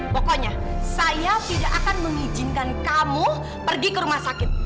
pokoknya saya tidak akan mengizinkan kamu pergi ke rumah sakit